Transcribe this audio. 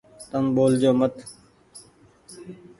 تم ٻول جو مت ۔